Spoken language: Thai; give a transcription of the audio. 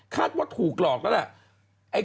คาดว่าถูกหรอกแล้ว